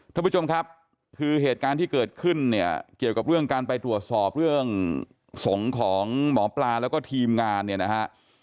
ท่านผู้ชมครับคือเหตุการณ์ที่เกิดขึ้นเนี่ยเกี่ยวกับเรื่องการไปตรวจสอบเรื่องสงฆ์ของหมอปลาแล้วก็ทีมงานเนี่ยนะฮะ